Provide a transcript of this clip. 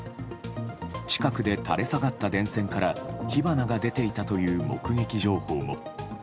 近くで垂れ下がった電線から火花が出ていたという目撃情報も。